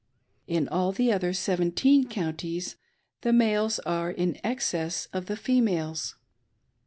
In all the other seventeen counties, the males are in excess of the females.